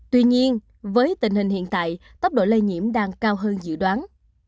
tuy nhiên với tình hình hiện tại tốc độ lây nhiễm đang cao hơn dự đoán